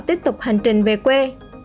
tiếp tục hành trình về quê